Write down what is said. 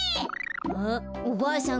あおばあさん